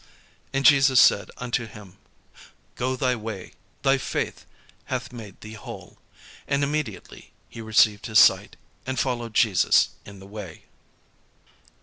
And Jesus said unto him, "Go thy way; thy faith hath made thee whole." And immediately he received his sight, and followed Jesus in the way.